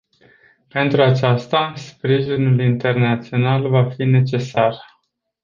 Pentru aceasta, sprijinul internațional va fi necesar.